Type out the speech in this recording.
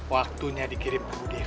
waktunya dikirim ke bukaan